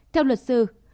theo luật sư